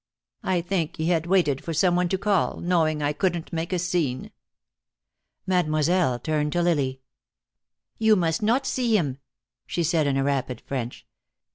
I think he had waited for some one to call, knowing I couldn't make a scene." Mademoiselle turned to Lily. "You must not see him," she said in rapid French.